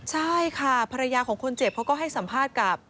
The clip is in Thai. ใช่ค่ะภรรยาของคนเจ็บเขาก็ให้สัมภาษณ์กับ